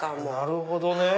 なるほどね。